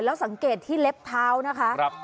แล้วสังเกตที่เล็บเท้านะคะ